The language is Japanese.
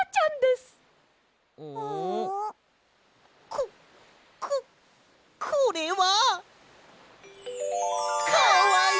こここれは！かわいい！